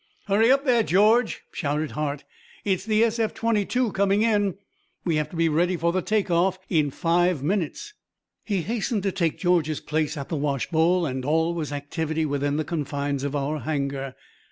"Hurry up there, George!" shouted Hart. "It's the SF 22 coming in. We have to be ready for the take off in five minutes!" He hastened to take George's place at the washbowl and all was activity within the confines of our hangar.